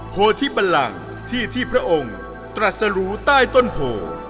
โพธิบันลังที่ที่พระองค์ตรัสรู้ใต้ต้นโพ